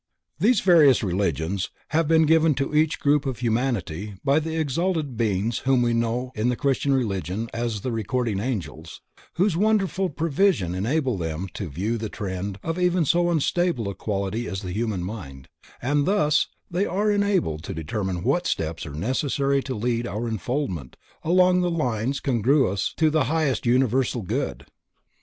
These various religions have been given to each group of humanity by the exalted beings whom we know in the Christian religion as the Recording Angels, whose wonderful prevision enable them to view the trend of even so unstable a quantity as the human mind, and thus they are enabled to determine what steps are necessary to lead our enfoldment along the lines congruous to the highest universal good.